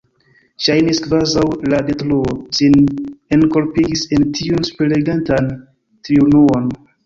Ŝajnis, kvazaŭ la Detruo sin enkorpigis en tiun spiregantan triunuon.